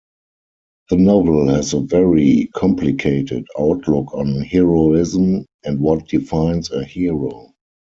The novel has a very complicated outlook on heroism and what defines a hero.